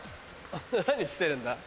何してるんだ？